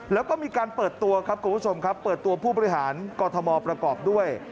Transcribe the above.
แล้วก็มีการเปิดตัวครับคุณผู้ชมครับเปิดตัวผู้บริหารกรทมประกอบด้วย